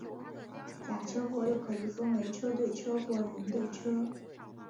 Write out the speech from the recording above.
假车祸又可以分为车对车或人对车。